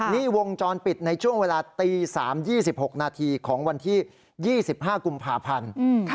นี่วงจรปิดในช่วงเวลาตี๓๒๖นาทีของวันที่๒๕กุมภาพันธ์